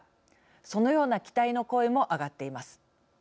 そのような期待の声も上がっています。